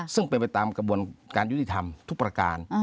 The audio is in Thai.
ซึ่งเป็นไปตามกระบวนการยุติธรรมทุกประการ